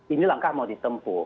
ini langkah mau ditempuh